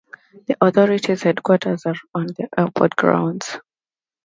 The authority's headquarters are on the airport grounds.